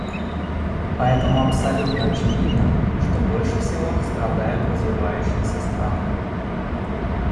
Поэтому абсолютно очевидно, что больше всего страдают развивающиеся страны.